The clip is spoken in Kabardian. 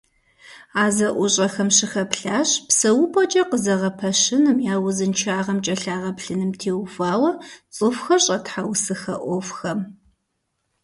А зэӀущӀэхэм щыхэплъащ псэупӀэкӀэ къызэгъэпэщыным, я узыншагъэм кӀэлъагъэплъыным теухуауэ цӀыхухэр щӀэтхьэусыхэ Ӏуэхухэм.